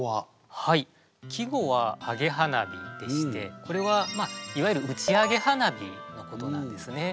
はい季語は「揚げ花火」でしてこれはいわゆる打ち上げ花火のことなんですね。